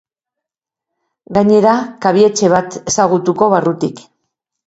Gainera, kabi-etxe bat ezagutuko barrutik.